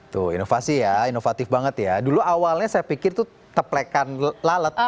tuh inovasi ya inovatif banget ya dulu awalnya saya pikir itu teplekan lalat